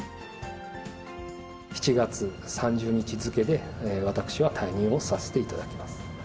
７月３０日付で、私は退任をさせていただきます。